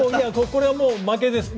これはもう負けです。